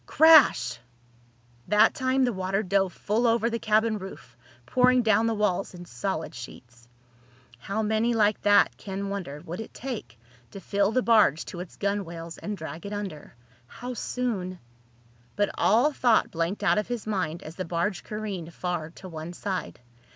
Crash! That time the water dove full over the cabin roof, pouring down the walls in solid sheets. How many like that, Ken wondered, would it take to fill the barge to its gunwales and drag it under? How soon—? But all thought blanked out of his mind as the barge careened far to one side.